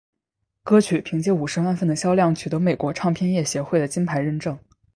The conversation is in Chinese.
歌曲凭借五十万份的销量取得美国唱片业协会的金牌认证。